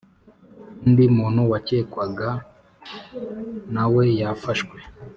undi muntu wacyekwaga nawe yafashwe